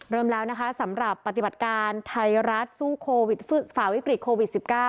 เริ่มแล้วนะคะสำหรับปฏิบัติการไทยรัฐสู้โควิดฝ่าวิกฤตโควิด๑๙